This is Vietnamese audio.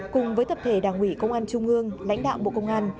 cùng với tập thể đảng ủy công an trung ương lãnh đạo bộ công an